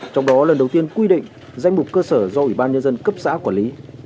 trong đó lần đầu tiên quy định danh mục cơ sở do ủy ban nhân dân cấp xã quản lý